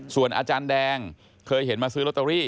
ส่วนอาจารย์แดงเคยเห็นมาซื้อลอตเตอรี่